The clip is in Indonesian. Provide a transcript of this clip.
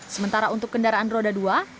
sementara untuk kendaraan roda